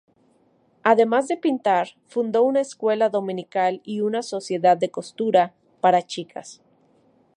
Además de pintar, fundó una escuela dominical y una sociedad de costura para chicas.